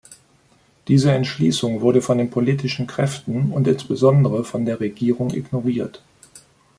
Diese Entschließung wurde von den politischen Kräften und insbesondere von der Regierung ignoriert.